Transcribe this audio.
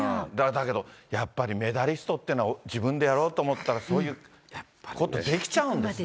だけどやっぱりメダリストっていうのは、自分でやろうと思ったら、そういうことってできちゃうんですね。